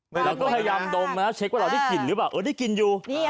พยายามดมแล้วเช็คว่าเราได้กินหรือเปล่าเออได้กินอยู่